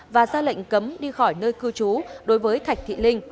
và ra lệnh cấm đi khỏi nơi cư trú đối với thạch thị linh